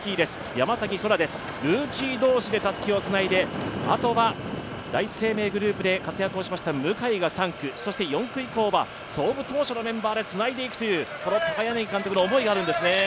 山崎空、ルーキー同士でたすきをつないであとは第一生命グループで活躍しました向井が３区、そして４区以降は創部当初のメンバーでつないでいくという高柳監督の思いがあるんですね。